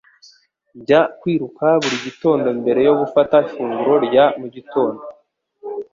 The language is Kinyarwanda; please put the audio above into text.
Njya kwiruka buri gitondo mbere yo gufata ifunguro rya mu gitondo